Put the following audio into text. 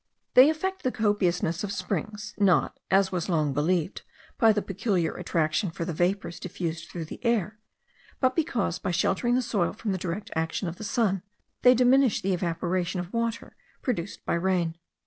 They affect the copiousness of springs, not, as was long believed, by a peculiar attraction for the vapours diffused through the air, but because, by sheltering the soil from the direct action of the sun, they diminish the evaporation of water produced by rain.